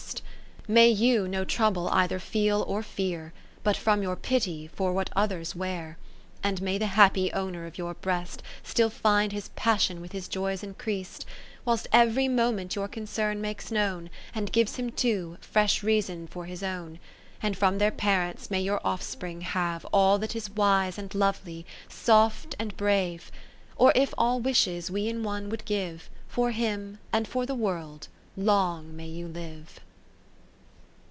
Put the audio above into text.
(581) Kath eri7ie Philips May you no trouble either feel or fear, But from your pity for what others wear ; 4° And may the happy owner of your breast, Still find his passion with his joys increas'd ; Whilst every moment your concern makes known, And gives him too, fresh reason for his own : And from their Parents may your Offspring have Ail that is wise and lovely, soft and brave : Or if all wishes we in one would give, For him, and for the world, Long may you live.